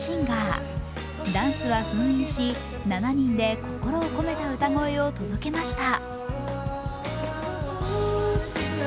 ダンスは封印し７人で心を込めた歌声を届けました。